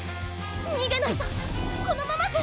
にげないとこのままじゃ！